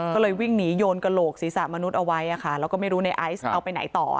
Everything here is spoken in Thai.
ก็เลยวิ่งหนีโยนกระโหลกศีรษะมนุษย์เอาไว้แล้วก็ไม่รู้ในไอซ์เอาไปไหนต่อ